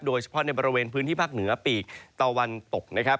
โดยเฉพาะในบริเวณพื้นที่ภาคเหนือปีกตะวันตกนะครับ